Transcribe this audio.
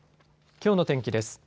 きょうの天気です。